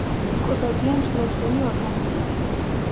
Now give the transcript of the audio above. იკვებებიან წვრილ-წვრილი ორგანიზმებით.